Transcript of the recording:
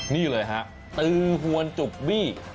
นี่เลยฮะตือหวนจุกบี้